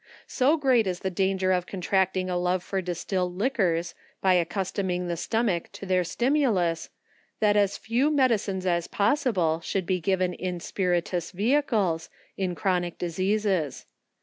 So great is the danger of contracting a love for distilled liquors by accustoming the stomach to their stimulus, that as few medicines as possible should be given in spiritous vehicles, in chronic diseases.